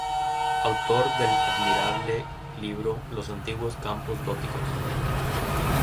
Autor del admirable libro "Los antiguos Campos Góticos".